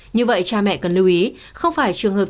như vậy cha mẹ cần lưu ý không phải trường hợp y tế